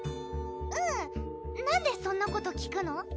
うんなんでそんなこと聞くの？